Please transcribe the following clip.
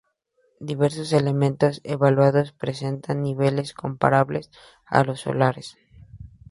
Diversos elementos evaluados presentan niveles comparables a los solares.